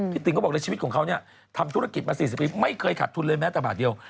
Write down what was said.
พี่ติ๋งก็บอกว่าชีวิตของเขาทำธุรกิจมา๔๐ปีไม่เคยขาดทุนแม้แต่บาทเดียว